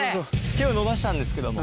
手を伸ばしたんですけども。